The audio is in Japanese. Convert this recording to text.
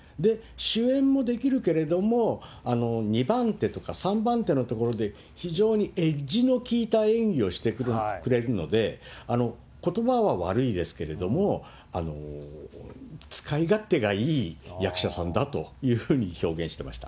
主演もできるけれども、２番手とか３番手のところで、非常にエッジのきいた演技をしてくれるので、ことばは悪いですけれども、使い勝手がいい役者さんだというふうに表現してました。